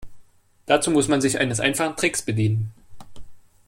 Dazu muss man sich eines einfachen Tricks bedienen.